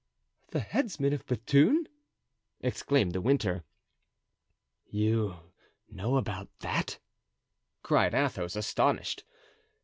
"The headsman of Bethune?" exclaimed De Winter. "You know about that?" cried Athos, astonished.